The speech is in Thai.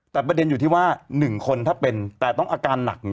แต่ประเด็นอยู่ที่ว่า๑คนถ้าเป็นแต่ต้องอาการหนัก